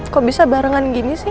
kok bisa barengan gini sih